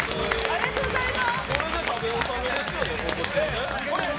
ありがとうございます。